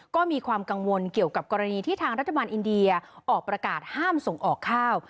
ก็มีความกังวลเกี่ยวกับกรณีที่ทางรัฐบาลอินเดียออกประกาศห้ามส่งออกข้าว